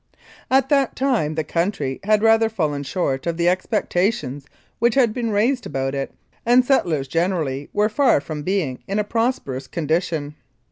At that time the country had rather fallen short of the expectations which had been raised about it, and settlers generally were far from being in a prosperous condition.